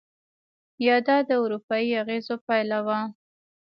یا دا د اروپایي اغېزو پایله وه؟